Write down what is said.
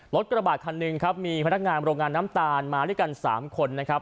กระบาดคันหนึ่งครับมีพนักงานโรงงานน้ำตาลมาด้วยกัน๓คนนะครับ